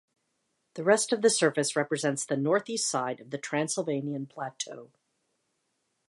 The rest of the surface represents the North-East side of the Transylvanian Plateau.